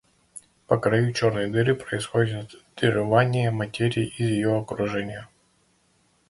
По краю черной дыры происходит вырывание материи из ее окружения.